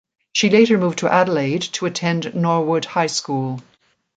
She later moved to Adelaide to attend Norwood High School.